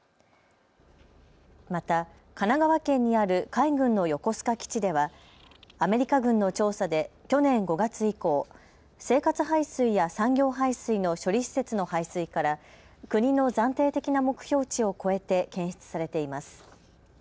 また神奈川県にある海軍の横須賀基地ではアメリカ軍の調査で去年５月以降、生活排水や産業排水の処理施設の排水から国の暫定的な目標値を超えて検出されています。